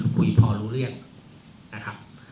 คุยพอรู้เรื่อง